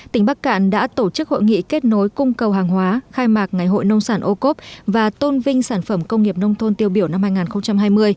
tỉnh bắc cạn đã tổ chức hội nghị kết nối cung cầu hàng hóa khai mạc ngày hội nông sản ô cốp và tôn vinh sản phẩm công nghiệp nông thôn tiêu biểu năm hai nghìn hai mươi